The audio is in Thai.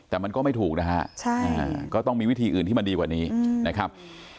แต่มันก็ไม่ถูกนะฮะก็ต้องมีวิธีอื่นที่มันดีกว่านี้นะครับ